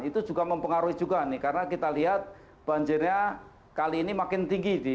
itu juga mempengaruhi juga nih karena kita lihat banjirnya kali ini makin tinggi